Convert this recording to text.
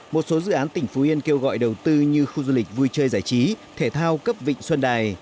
một số dự án tỉnh phú yên kêu gọi đầu tư như khu du lịch vui chơi giải trí thể thao cấp vịnh xuân đài